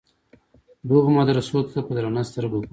دغو مدرسو ته په درنه سترګه ګوري.